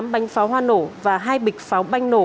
tám bánh pháo hoa nổ và hai bịch pháo banh nổ